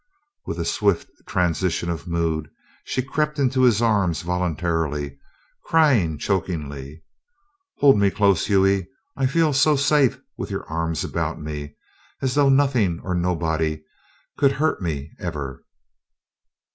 With a swift transition of mood she crept into his arms voluntarily, crying chokingly: "Hold me close, Hughie! I feel so safe with your arms about me, as though nothing or nobody could hurt me ever!"